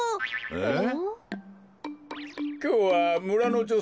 えっ！